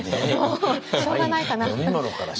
しょうがないかな？